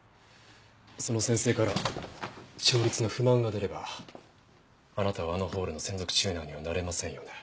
その先生から調律の不満が出ればあなたはあのホールの専属チューナーにはなれませんよね。